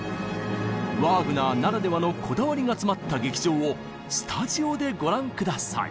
ワーグナーならではのこだわりが詰まった劇場をスタジオでご覧下さい！